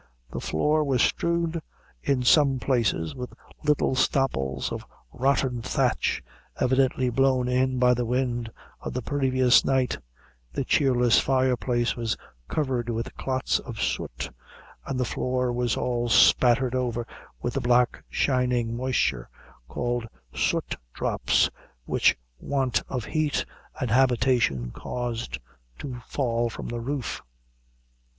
The floor was strewed in some places with little stopples of rotten thatch, evidently blown in by the wind of the previous night; the cheerless fire place was covered with clots of soot, and the floor was all spattered over with the black shining moisture called soot drops, which want of heat and habitation caused to fall from the roof.